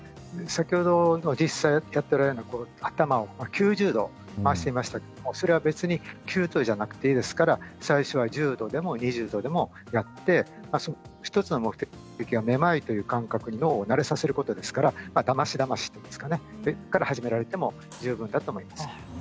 先ほどの実際やっておられたのは頭を９０度回していましたけどそれは別に９０度じゃなくていいですから最初は１０度でも２０度でもやって１つの目的はめまいという感覚を脳に慣れさせることですからだましだましですね、そこから始められてもいいと思います。